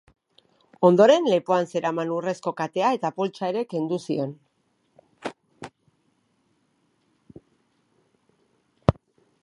Ondoren, lepoan zeraman urrezko katea eta poltsa ere kendu zion.